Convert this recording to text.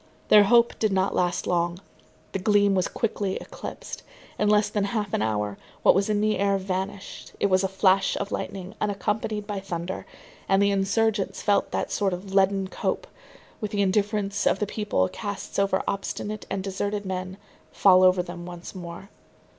Their hope did not last long; the gleam was quickly eclipsed. In less than half an hour, what was in the air vanished, it was a flash of lightning unaccompanied by thunder, and the insurgents felt that sort of leaden cope, which the indifference of the people casts over obstinate and deserted men, fall over them once more.